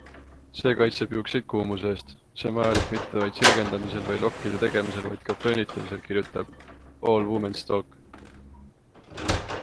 See kaitseb juukseid kuumuse eest - see on vajalik mitte vaid sirgendamisel või lokkide tegemisel, vaid ka föönitamisel, kirjutab Allwomenstalk.